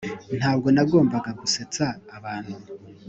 ntabwo nagombaga gusetsa abantu